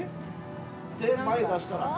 手ぇ前に出したら。